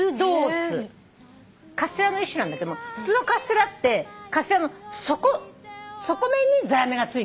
カステラの一種なんだけども普通のカステラってカステラの底面にざらめがついて。